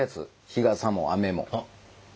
日傘も雨も。